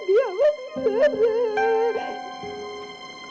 ada apa sama rerek